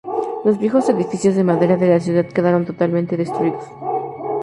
La viejos edificios de madera de la ciudad quedaron totalmente destruidos.